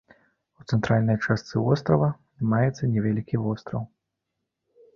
У цэнтральнай частцы вострава маецца невялікі востраў.